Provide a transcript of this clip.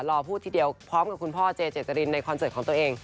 รอพูดทีเดียวพร้อมกับคุณพ่อเจเจจรินในคอนเสิร์ตของตัวเอง